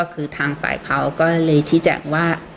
คือทางฝ่ายเขาก็เลยชี้แจงว่า